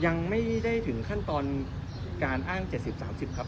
ยังไม่ได้ถึงขั้นตอนการอ้าง๗๐๓๐ครับ